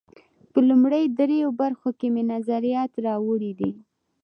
په لومړیو درېیو برخو کې مې نظریات راوړي دي.